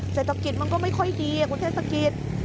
เศรษฐกิจมันก็ไม่ค่อยดีคุณเทศกิจ